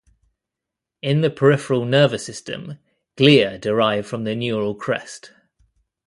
In the peripheral nervous system, glia derive from the neural crest.